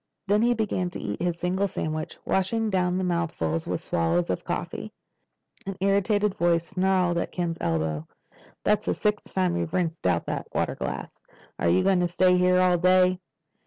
Then he began to eat his single sandwich, washing down the mouthfuls with swallows of coffee. An irritated voice snarled at Ken's elbow. "That's the sixth time you've rinsed out that water glass. You going to stay here all day?"